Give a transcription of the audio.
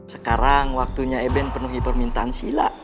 sekarang waktunya eben penuhi permintaan sila